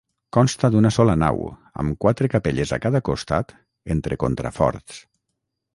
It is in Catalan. Consta d'una sola nau, amb quatre capelles a cada costat, entre contraforts.